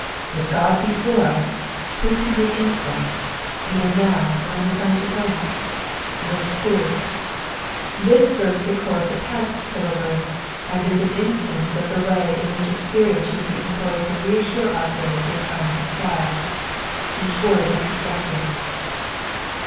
"If Ood be for us," who con be against us, either now or in time tr * T.rb, Cockle » EXPOSITIOKS OF THE PSALUS. 2. This vene records a put dclireronce, and is an instance of the way in which ezperience should be employed to reassure our faith in times of trial. Each word is instructive.